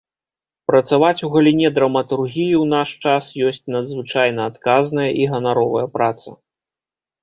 Працаваць у галіне драматургіі ў наш час ёсць надзвычайна адказная і ганаровая праца.